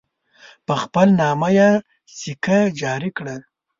په خپل نامه یې سکه جاري کړه.